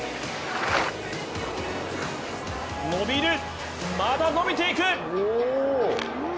伸びる、まだ伸びていく！